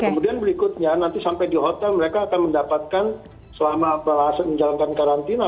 kemudian berikutnya nanti sampai di hotel mereka akan mendapatkan selama menjalankan karantina